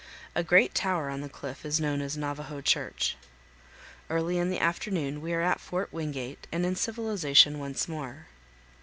A great tower on the cliff is known as "Navajo Church." Early in the afternoon we are at Fort Wingate and in civilization once more.